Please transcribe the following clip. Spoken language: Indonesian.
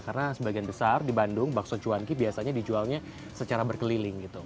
karena sebagian besar di bandung bakso cuangki biasanya dijualnya secara berkeliling gitu